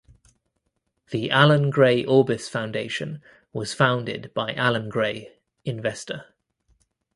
The Allan Gray Orbis Foundation was founded by Allan Gray (investor).